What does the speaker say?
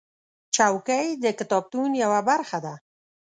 چوکۍ د کتابتون یوه برخه ده.